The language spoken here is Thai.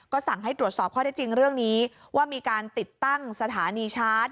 สั่งให้ตรวจสอบข้อได้จริงเรื่องนี้ว่ามีการติดตั้งสถานีชาร์จ